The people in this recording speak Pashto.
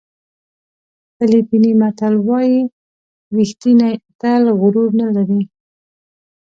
فلپیني متل وایي ریښتینی اتل غرور نه لري.